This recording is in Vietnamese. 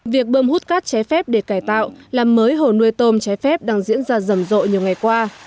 việc bơm hút cát cháy phép để cải tạo là mới hồ nuôi tôm cháy phép đang diễn ra rầm rộ nhiều ngày qua